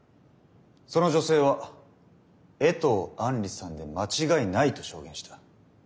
その女性は衛藤杏莉さんで間違いないと証言した。